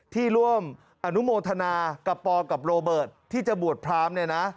ที่ร่วมอนุโมทนากับปอกับโรเบิร์ตที่จะบวชพรามเนี่ยนะ